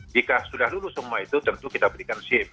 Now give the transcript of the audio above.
jika sudah lulus semua itu tentu kita berikan shift